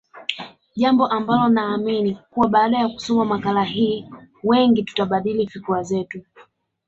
Jambo ambalo naamini kuwa baada ya kusoma makala hii wengi tutabadili fikra zetu